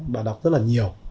bà đọc rất là nhiều